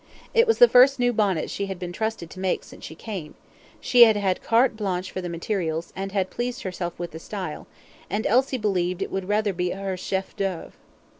It was the first new bonnet she had been trusted to make since she came; she had had CARTE BLANCHE for the materials, and had pleased herself with the style, and Elsie believed it would be her CHEF D'OEUVRE.